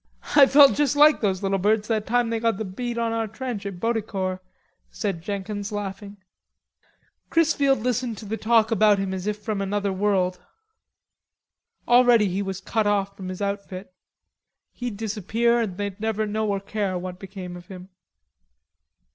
"I felt just like those little birds that time they got the bead on our trench at Boticourt," said Jenkins, laughing. Chrisfield listened to the talk about him as if from another world. Already he was cut off from his outfit. He'd disappear and they'd never know or care what became of him.